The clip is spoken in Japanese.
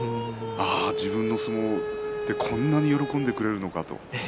自分の相撲でこんなに喜んでくれるのかと。